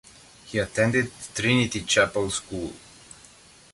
He attended Trinity Chapel School.